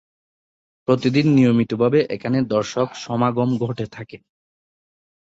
প্রতিদিন নিয়মিতভাবে এখানে দর্শক সমাগম ঘটে থাকে।